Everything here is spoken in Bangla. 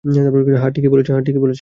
হ্যাঁ, ঠিকই বলেছেন।